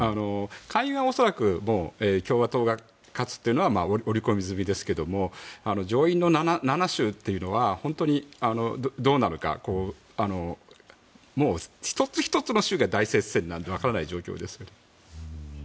下院は恐らく共和党が勝つというのは織り込み済みですけども上院の７州というのは本当にどうなるかもう１つ１つの州が大接戦なので分からない状況です。